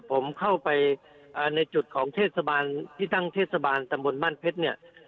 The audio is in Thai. ผมเข้าไปในจุดของเทศบาลที่ตั้งเทศบาลตำบลบ้านเพชรเนี่ย